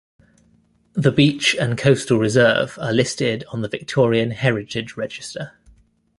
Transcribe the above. The beach and coastal reserve are listed on the Victorian Heritage Register.